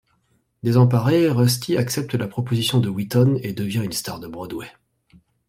Désemparée, Rusty accepte la proposition de Weathon et devient une star de Broadway.